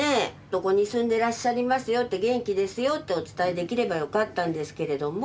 「どこに住んでらっしゃりますよ」って「元気ですよ」ってお伝えできればよかったんですけれども。